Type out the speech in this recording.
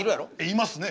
いますね。